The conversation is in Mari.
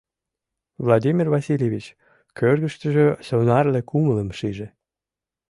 Владимир Васильевич кӧргыштыжӧ сонарле кумылым шиже: